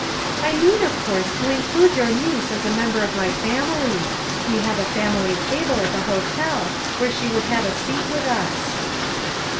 "I mean of course to include your niece as a member of my family; we have a family table at the hotel, where she would have a seat with us."